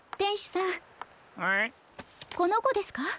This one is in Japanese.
このこですか？